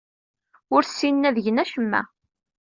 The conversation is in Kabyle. Ur ssinen ad gen acemma.